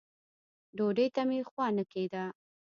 ډوډۍ ته مې خوا نه کېده.